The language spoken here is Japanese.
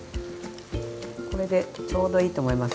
これでちょうどいいと思います。